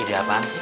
ide apaan sih